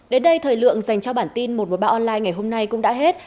đến đây thời lượng dành cho bản tin một trăm một mươi ba online ngày hôm nay cũng đã hết